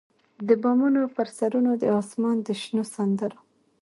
د بامونو پر سرونو د اسمان د شنو سندرو،